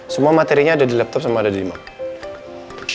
semua materinya ada di laptop sama ada di imap